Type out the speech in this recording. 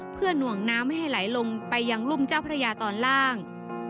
เพื่อหน่วงน้ำไม่ให้ไหลลงไปยังรุ่มเจ้าพระยาตอนล่าง